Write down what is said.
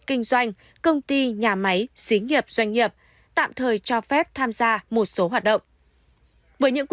kinh doanh công ty nhà máy xí nghiệp doanh nghiệp tạm thời cho phép tham gia một số hoạt động với những